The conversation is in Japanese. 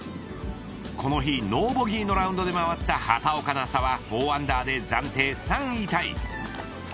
この日、ノーボギーのラウンドで回った畑岡奈紗は４アンダーで暫定３位タイ。